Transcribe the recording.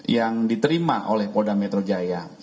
yang diterima oleh polda metro jaya